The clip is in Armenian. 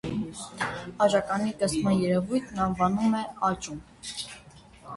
Աճականի կցման երևույթն անվանում է աճում։